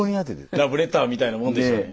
ラブレターみたいなもんでしょうね。